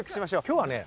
今日はね